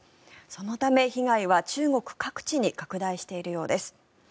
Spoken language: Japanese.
そのため、被害は中国各地に拡大しているようです。